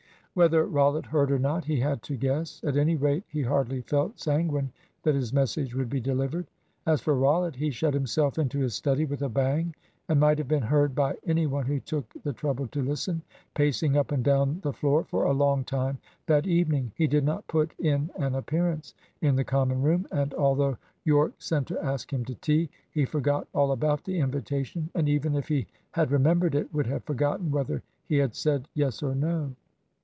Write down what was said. Whether Rollitt heard or not, he had to guess. At any rate he hardly felt sanguine that his message would be delivered. As for Rollitt, he shut himself into his study with a bang, and might have been heard by any one who took the trouble to listen, pacing up and down the floor for a long time that evening. He did not put in an appearance in the common room, and although Yorke sent to ask him to tea, he forgot all about the invitation, and even if he had remembered it, would have forgotten whether he had said Yes or No.